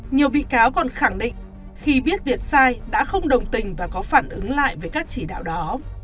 nhiều bị cáo còn khẳng định khi biết việc sai đã không đồng tình và có phản ứng lại về các chỉ đạo đó